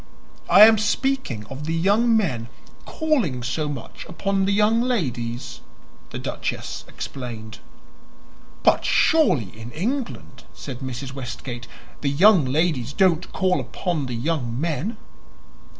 "I am speaking of the young men calling so much upon the young ladies," the duchess explained. "But surely in England," said Mrs. Westgate, "the young ladies don't call upon the young men?"